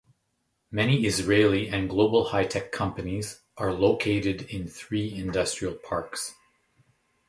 Many Israeli and global high tech companies are located in three industrial parks.